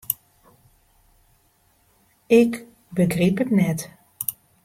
Ik begryp it net.